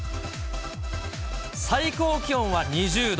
最高気温は２０度。